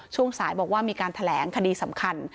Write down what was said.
ช่วงสายบอกว่ามีการแถลงคดีสำคัญ